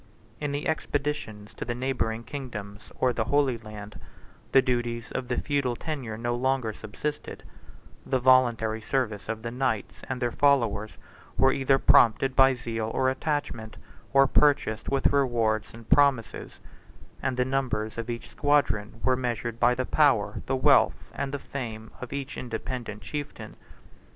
In the expeditions to the neighboring kingdoms or the Holy Land, the duties of the feudal tenure no longer subsisted; the voluntary service of the knights and their followers were either prompted by zeal or attachment, or purchased with rewards and promises; and the numbers of each squadron were measured by the power, the wealth, and the fame, of each independent chieftain.